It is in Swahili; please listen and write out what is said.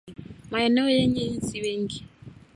Maeneo yenye inzi wengi